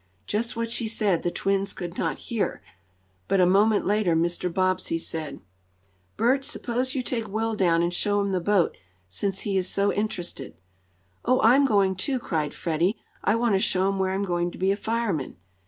Just what she said the twins could not hear, but, a moment later Mr. Bobbsey said: "Bert, suppose you take Will down and show him the boat, since he is so interested." "Oh, I'm going to!" cried Freddie. "I want to show him where I'm going to be a fireman."